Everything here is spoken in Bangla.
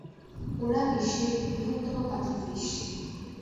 ওরা বিশ্বের বৃহত্তম কাটলফিশ।